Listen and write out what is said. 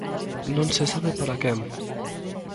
Non se sabe para quen.